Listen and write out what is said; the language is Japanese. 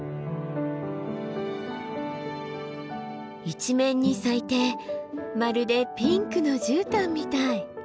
一面に咲いてまるでピンクの絨毯みたい。